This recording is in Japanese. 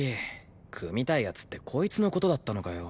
組みたい奴ってこいつの事だったのかよ。